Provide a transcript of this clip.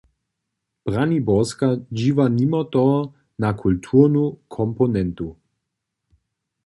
Braniborska dźiwa nimo toho na kulturnu komponentu.